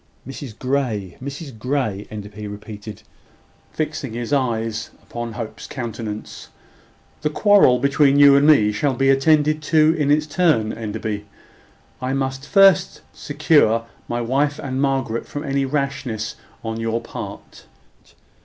"Mrs Grey, Mrs Grey," Enderby repeated, fixing his eyes upon Hope's countenance. "The quarrel between you and me shall be attended to in its turn, Enderby. I must first secure my wife and Margaret from any rashness on your part.